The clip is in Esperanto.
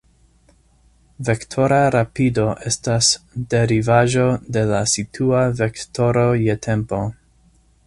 Vektora rapido estas derivaĵo de la situa vektoro je tempo.